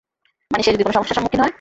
মানে সে যদি কোন সমস্যার সম্মুখীন হয়।